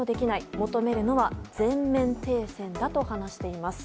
求めるのは全面停戦だと話しています。